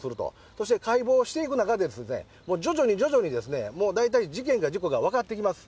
そして解剖していく中で、徐々に徐々に、大体、事件か事故か、分かってきます。